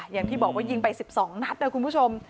อย่างที่บอกว่ายิงไป๑๒นัดนะคุณผู้ชม